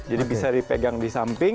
jadi bisa dipegang di samping